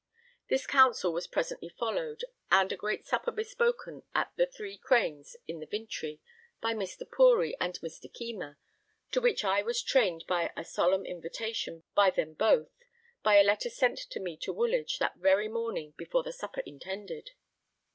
This counsel was presently followed, and a great supper bespoken at the Three Cranes in the Vintry by Mr. Poory and Mr. Keymer, to which I was trained by a solemn invitation by them both, by a letter sent to me to Woolwich that very morning before the supper intended.